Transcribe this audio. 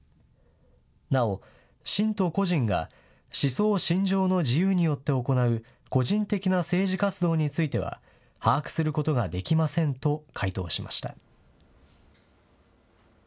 なお、信徒個人が思想信条の自由によって行う個人的な政治活動については、把握することができませんと回答しました。